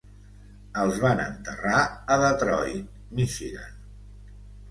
Els van enterrar a Detroit, Michigan.